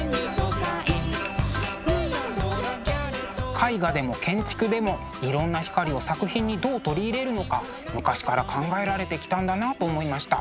絵画でも建築でもいろんな光を作品にどう取り入れるのか昔から考えられてきたんだなと思いました。